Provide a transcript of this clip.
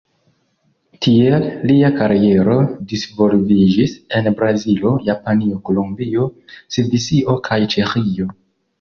Tiel lia kariero disvolviĝis en Brazilo, Japanio, Kolombio, Svisio kaj Ĉeĥio.